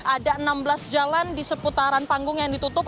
ada enam belas jalan di seputaran panggung yang ditutup